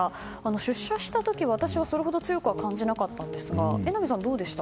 出社した時、私はそれほど強くは感じなかったんですが榎並さんはどうでした？